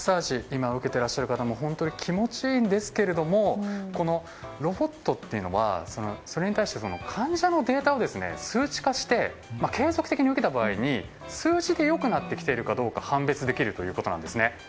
今、受けていらっしゃる方も本当に気持ちいいんですけれどもロボットというのはそれに対して患者のデータを数値化して継続的に受けた場合に数値で良くなってきているかどうか判別できるということなんですね。